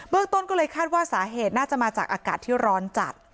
ต้นก็เลยคาดว่าสาเหตุน่าจะมาจากอากาศที่ร้อนจัด